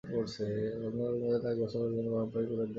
ঘন্টাখানেকের মধ্যে তাঁকে গোসলের জন্যে গরম পানি করে দেয়া হলো।